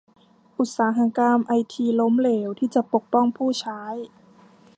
อุตสาหกรรมไอทีล้มเหลวที่จะปกป้องผู้ใช้